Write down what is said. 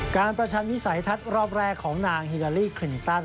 ประชันวิสัยทัศน์รอบแรกของนางฮิลาลีคลินตัน